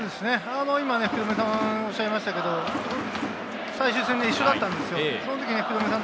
今、福留さんがおっしゃいましたけど、最終戦で一緒だったんですよ。